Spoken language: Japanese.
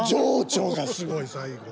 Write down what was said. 情緒がすごい最後。